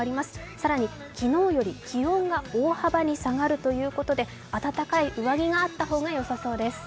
更に昨日より気温が大幅に下がるということで、暖かい上着があった方がよさそうです。